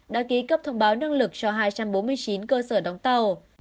đã ký cấp thông báo năng lực cho hai trăm bốn mươi chín cơ sở đóng tàu